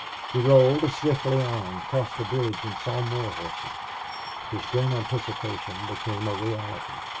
He rolled swiftly on, crossed a bridge, and saw more horses. His grim anticipation became a reality.